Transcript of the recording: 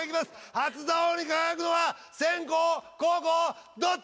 初座王に輝くのは先攻後攻どっち？